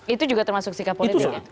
itu juga termasuk sikap politik ya